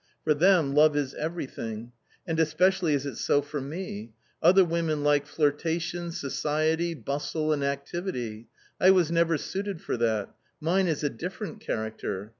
For them love is everything ; and especially is it so for me ; other women like flirtation, society, bustle and activity ; I was never suited for that — mine is a different character.